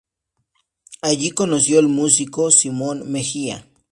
Allí conoció al músico Simón Mejía.